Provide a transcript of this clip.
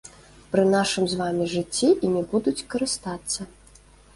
Пры нашым з вамі жыцці імі будуць карыстацца.